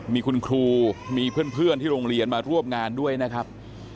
มีคุณครูมีเพื่อนที่โรงเรียนมาร่วมงานด้วยนะครับ